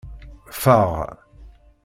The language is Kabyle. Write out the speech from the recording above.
Faɣ.